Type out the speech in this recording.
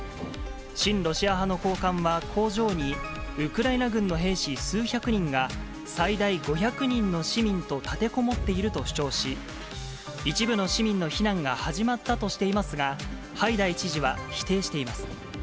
親ロシア派の高官は、工場にウクライナ軍の兵士数百人が、最大５００人の市民と立てこもっていると主張し、一部の市民の避難が始まったとしていますが、ハイダイ知事は否定しています。